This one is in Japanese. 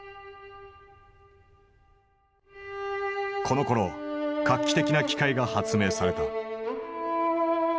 このころ画期的な機械が発明された。